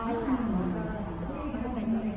ชิคกี้พายมาตามไหน